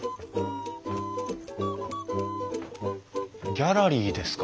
ギャラリーですか！